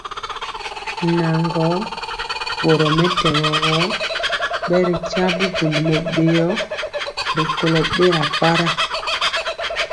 Naŋgɔɔ, boromɛtɛgɔ gɔ, bɛritya bubuli mɛbéo rikɔlɔ bela para,